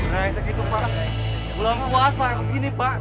nah segitu pak